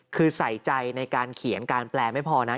คือใส่ใจในการเขียนการแปลไม่พอนะ